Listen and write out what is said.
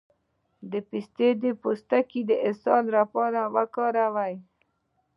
د پسته پوستکی د اسهال لپاره وکاروئ